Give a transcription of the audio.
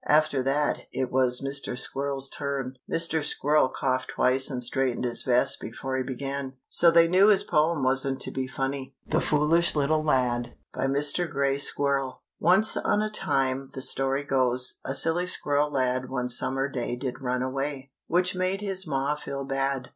After that it was Mr. Squirrel's turn. Mr. Squirrel coughed twice and straightened his vest before he began, so they knew his poem wasn't to be funny. THE FOOLISH LITTLE LAD. BY MR. GRAY SQUIRREL. Once on a time, the story goes, A silly squirrel lad One summer day did run away Which made his ma feel bad.